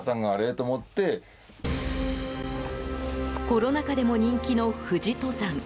コロナ禍でも人気の富士登山。